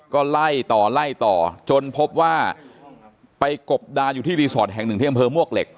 ก็ไล่ต่อไล่ต่อจนพบว่าไปกบดานอยู่ที่รีสอร์ทแห่งหนึ่งที่อำเภอมวกเหล็ก